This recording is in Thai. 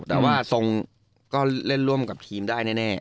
แต่ว่าทรงก็เล่นร่วมกับทีมได้แน่